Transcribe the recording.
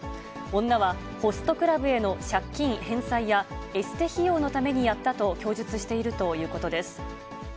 女は、ホストクラブへの借金返済や、エステ費用のためにやったと供述しているということです。